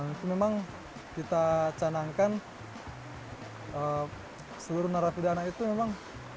itu memang kita canangkan seluruh narapidana itu memang